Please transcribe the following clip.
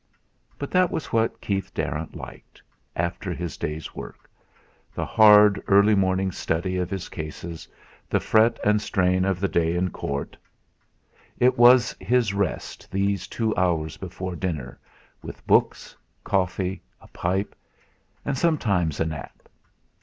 But that was what Keith Darrant liked, after his day's work the hard early morning study of his "cases," the fret and strain of the day in court; it was his rest, these two hours before dinner, with books, coffee, a pipe, and sometimes a nap.